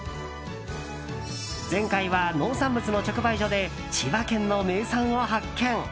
前回は農産物の直売所で千葉県の名産を発見。